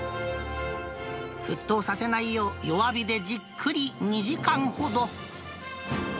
沸騰させないよう、弱火でじっくり２時間ほど。